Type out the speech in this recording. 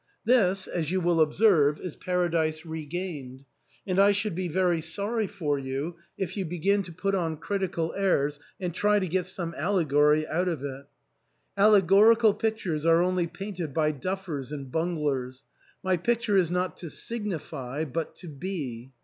This, as you will observe, is * Paradise Regained,' and I should be very sorry for you if you begin to put on critical airs and try to get some allegory out of it Allegorical pictures are only painted by duffers and bunglers ; my picture is not to signify but to be.